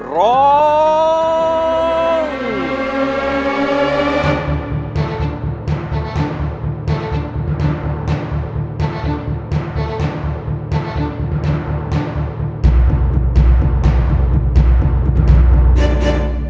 ร้อง